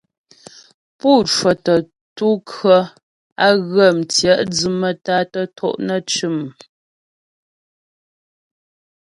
Pú cwətə ntu kʉɔ̌ á ghə tyɛ'dwʉ maə́tá'a tə to' nə́ cʉ̂m.